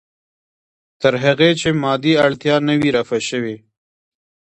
تر هغې چې مادي اړتیا نه وي رفع شوې.